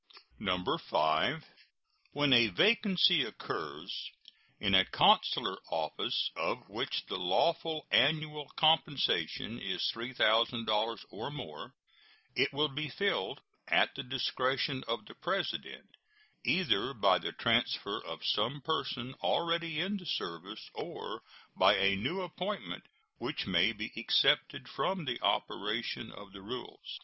5. When a vacancy occurs in a consular office of which the lawful annual compensation is $3,000 or more, it will be filled, at the discretion of the President, either by the transfer of some person already in the service or by a new appointment, which may be excepted from the operation of the rules.